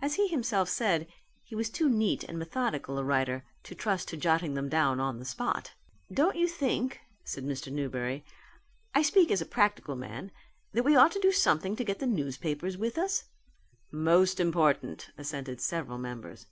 As he himself said he was too neat and methodical a writer to trust to jotting them down on the spot. "Don't you think," said Mr. Newberry, "I speak as a practical man, that we ought to do something to get the newspapers with us?" "Most important," assented several members.